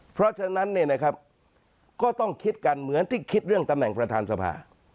เพราะฉะนั้นก็ต้องคิดกันเหมือนที่เรื่องตำแหน่งประธานสภา